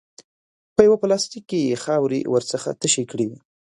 په یوه پلاستیک کې یې خاورې ورڅخه تشې کړې.